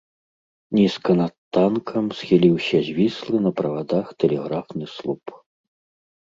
Нізка над танкам схіліўся звіслы на правадах тэлеграфны слуп.